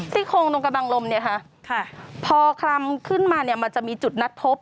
โคงตรงกระบังลมเนี่ยค่ะพอคลำขึ้นมาเนี่ยมันจะมีจุดนัดพบ